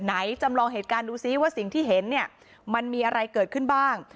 จำลองเหตุการณ์ดูซิว่าสิ่งที่เห็นเนี่ยมันมีอะไรเกิดขึ้นบ้าง